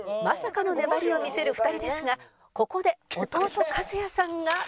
まさかの粘りを見せる２人ですがここで弟かずやさんが